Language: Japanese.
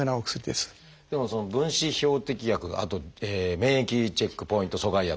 でもその分子標的薬あと免疫チェックポイント阻害薬。